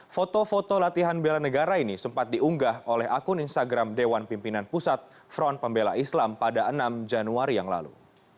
foto foto latihan bela negara ini sempat diunggah oleh akun instagram dewan pimpinan pusat front pembela islam pada enam januari yang lalu